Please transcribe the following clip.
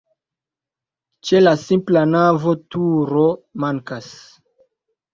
Ĉe la simpla navo turo mankas.